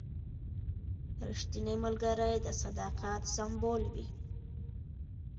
رښتینی ملګری د صداقت سمبول وي.